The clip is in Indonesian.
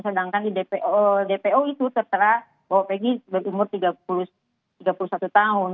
sedangkan di dpo itu tertera bahwa pegi berumur tiga puluh satu tahun